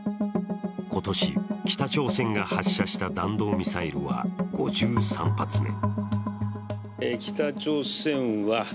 今年北朝鮮が発射した弾道ミサイルは５３発目。